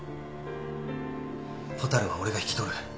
ほたるは俺が引き取る。